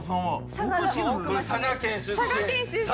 佐賀県出身